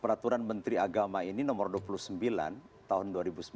peraturan menteri agama ini nomor dua puluh sembilan tahun dua ribu sembilan belas